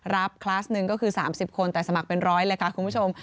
คลาสหนึ่งก็คือ๓๐คนแต่สมัครเป็นร้อยเลยค่ะคุณผู้ชม